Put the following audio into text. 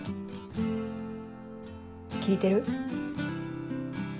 聞いてる？